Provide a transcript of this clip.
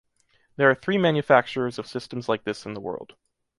There are three manufacturers of systems like this in the world.